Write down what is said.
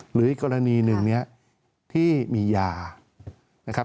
หรืออีกกรณีหนึ่งเนี่ยที่มียานะครับ